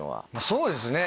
そうですね。